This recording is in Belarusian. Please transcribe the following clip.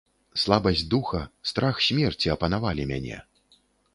Слабасць духа, страх смерці апанавалі мяне.